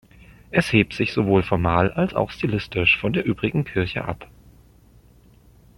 Es hebt sich sowohl formal als auch stilistisch von der übrigen Kirche ab.